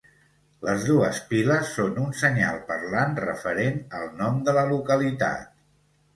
Les dues piles són un senyal parlant referent al nom de la localitat.